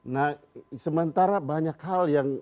nah sementara banyak hal yang